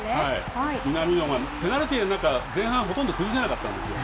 南野がペナルティーの中、前半、ほとんど崩せなかったんですよ。